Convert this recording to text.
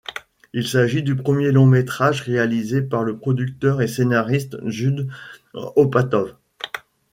Il s'agit du premier long-métrage réalisé par le producteur et scénariste Judd Apatow.